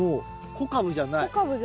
小カブじゃない。